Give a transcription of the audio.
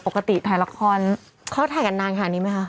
ปกติถ่ายละครเขาถ่ายกันนานขนาดนี้ไหมคะ